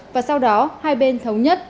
và sau đó hai bên thống nhất